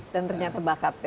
dan ternyata bakat ya